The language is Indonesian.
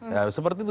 ya seperti itu